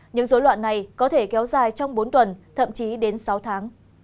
những dối loạn này có thể kéo dài trong bốn tuần thậm chí đến sáu tháng